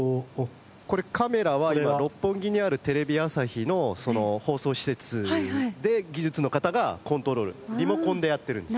これカメラは今六本木にあるテレビ朝日のその放送施設で技術の方がコントロールリモコンでやってるんです。